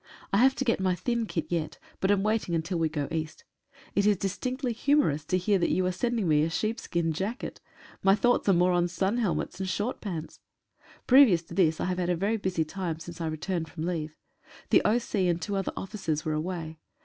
I have to get my thin kit yet, but am waiting until we go east. It is distinctly humorous to hear that you are sending me a sheepskin jacket. My thoughts are more on sun helmets and short pants. Pre vious to this I have had a very busy time since I returned from leave. The O.C. and two other officers were away.